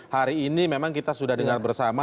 hari ini memang kita sudah dengar bersama